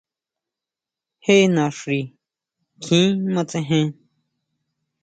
Jé naxi kjin matsejen.